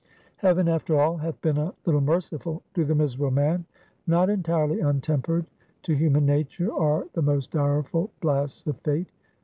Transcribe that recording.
Heaven, after all, hath been a little merciful to the miserable man; not entirely untempered to human nature are the most direful blasts of Fate.